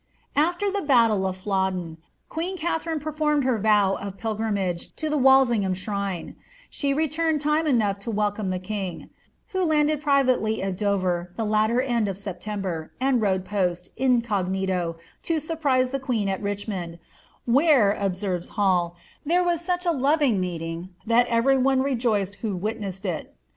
After the battle of Flodden, queen Katharine performed her tow of pilgrimage to the Walsingham shrine ; she returned time enough to wel come the king, who landed privately at Dover the latter end w Septem ber, and rode post, incognito, to surprise the queen at Bichniond, ^ where," observes Hail, ^ there was such a loving meeting, that every one rejoiced who witnessed it.'